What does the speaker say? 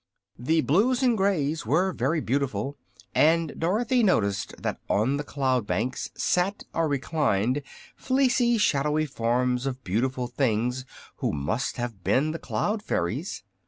The blues and greys were very beautiful, and Dorothy noticed that on the cloud banks sat or reclined fleecy, shadowy forms of beautiful beings who must have been the Cloud Fairies.